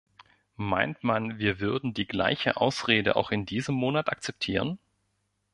Meint man, wir würden die gleiche Ausrede auch in diesem Monat akzeptieren?